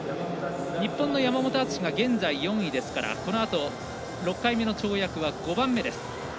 日本の山本篤が現在４位ですからこのあと６回目の跳躍は５番目です。